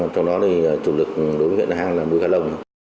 trong đó chủ lực đối với huyện na hàng là nuôi cá lòng